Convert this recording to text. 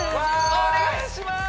お願いします！